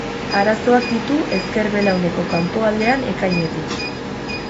Arazoak ditu ezker belauneko kanpoaldean ekainetik.